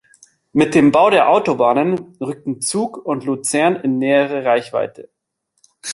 Mit dem Bau der Autobahnen rückten Zug und Luzern in nähere Reichweite.